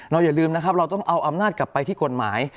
อย่าลืมนะครับเราต้องเอาอำนาจกลับไปที่กฎหมาย